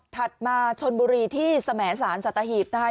ถัดมาชนบุรีที่แสมสารสัตภิพธิ์นะฮะ